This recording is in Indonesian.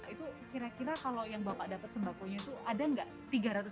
itu kira kira kalau yang bapak dapat sembakonya itu ada gak rp tiga ratus gitu